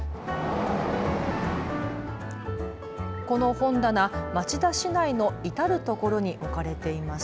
この本棚、町田市内の至る所に置かれています。